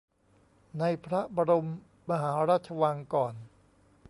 ในพระบรมมหาราชวังก่อน